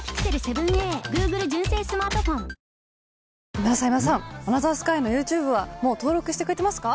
今田さん今田さん『アナザースカイ』のＹｏｕＴｕｂｅはもう登録してくれてますか？